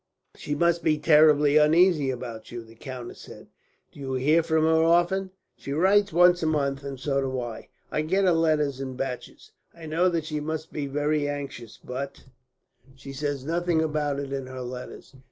"She must be terribly uneasy about you," the countess said. "Do you hear from her often?" "She writes once a month, and so do I. I get her letters in batches. I know that she must be very anxious, but she says nothing about it in her letters.